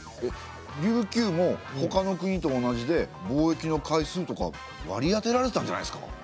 琉球もほかの国と同じで貿易の回数とか割り当てられてたんじゃないですか？